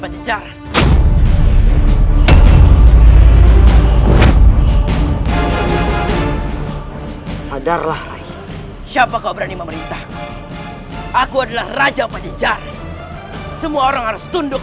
acara sadarlah siapa kau berani memerintah aku adalah raja pajajari semua orang harus tunduk